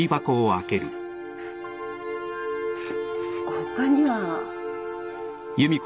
他には？